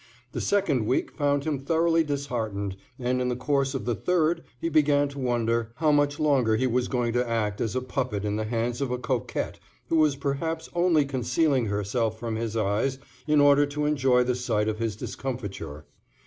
The second week found him thoroughly disheartened, and in the course of the third he began to wonder how much longer he was going to act as a puppet in the hands of a coquette who was perhaps only concealing herself from his eyes in order to enjoy the sight of his discomfiture.